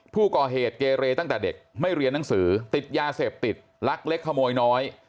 ผู้ก่อเหตุเกเรตั้งแต่เด็กไม่เรียนหนังสือติดยาเสพติดลักเล็กขโมยน้อย